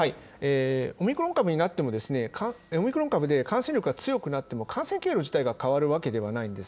オミクロン株になっても、オミクロン株で感染力が強くなっても、感染経路自体が変わるわけではないんです。